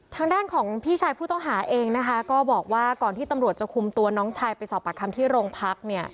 ทางด้านของพี่ชายผู้ต้องหาเองนะคะก็บอกว่าก่อนที่ตำรวจจะคุมตัวน้องชายไปสอบปากคำที่โรงพักเนี่ย